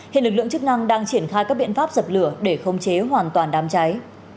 hiện lực lượng chức năng đang triển khai các biện pháp dập lửa để khống chế hoàn toàn đám cháy